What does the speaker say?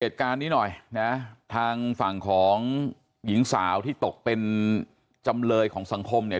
เหตุการณ์นี้หน่อยนะทางฝั่งของหญิงสาวที่ตกเป็นจำเลยของสังคมเนี่ย